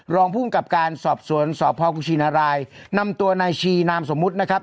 รองภูมิกับการสอบสวนสพกุชินรายนำตัวนายชีนามสมมุตินะครับ